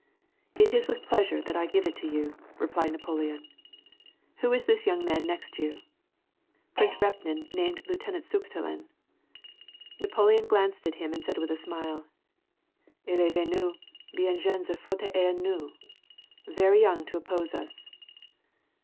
"It is with pleasure that I give it to you," replied Napoleon. "Who is this young man next you ?" Prince Repnin named Lieutenant Sukhtelen. . Napoleon glanced at him and said with a smile : ^^11 est venu iUnjeune sef rotter a nous — very young to oppose us."